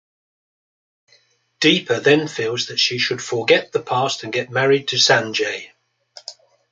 Deepa then feels that she should forget the past and get married to Sanjay.